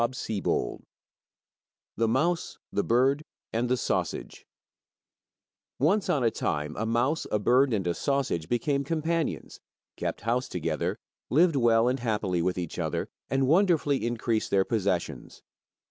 23 The Mouse, the Bird, and the Sausage Once on a time a mouse, a bird, and a sausage became companions, kept house together, lived well and happily with each other, and wonderfully increased their possessions.